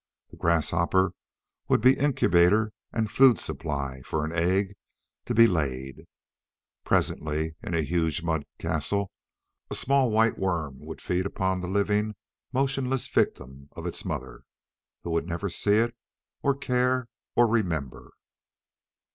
The grasshopper would be incubator and food supply for an egg to be laid. Presently, in a huge mud castle, a small white worm would feed upon the living, motionless victim of its mother who would never see it, or care, or remember....